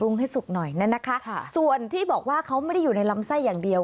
นั่นแหละครับส่วนที่บอกว่าเขาไม่ได้อยู่ในลำไส้อย่างเดียว